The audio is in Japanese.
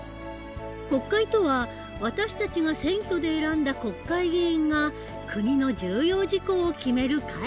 国会とは私たちが選挙で選んだ国会議員が国の重要事項を決める会議の事。